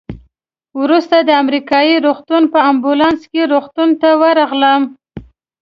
وروسته د امریکایي روغتون په امبولانس کې روغتون ته ورغلم.